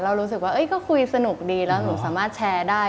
รู้สึกว่าก็คุยสนุกดีแล้วหนูสามารถแชร์ได้